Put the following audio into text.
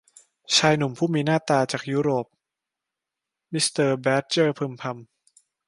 ชายหนุ่มผู้มีหน้ามีตาจากยุโรป มิสเตอร์แบดเจอร์พึมพำ